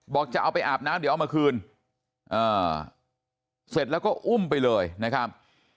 บอกจะเอาไปอาบน้ำเดี๋ยวเอามาคืนเสร็จแล้วก็อุ้มไปเลยนะครับ